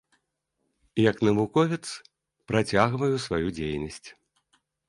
Як навуковец працягваю сваю дзейнасць.